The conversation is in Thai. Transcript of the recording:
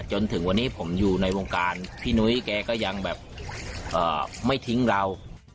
จนถึงวันนี้ผมอยู่ในวงการพี่นุ้ยแกก็ยังแบบไม่ทิ้งเรา